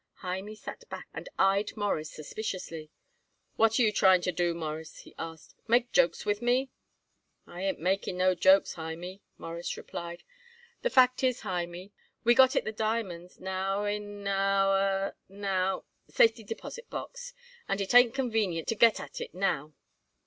Hymie sat back and eyed Morris suspiciously. "What are you trying to do, Mawruss?" he asked. "Make jokes with me?" "I ain't making no jokes, Hymie," Morris replied. "The fact is, Hymie, we got it the diamonds, now in our now safety deposit box, and it ain't convenient to get at it now."